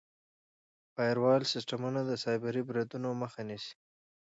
فایروال سیسټمونه د سایبري بریدونو مخه نیسي.